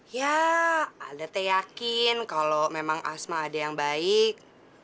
ya ada teh yakin kalau memang asma ada yang baik